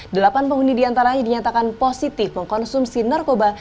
delapan penghuni diantaranya dinyatakan positif mengkonsumsi narkoba